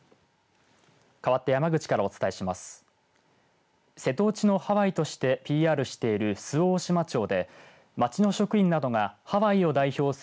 かわって山口からお伝えします。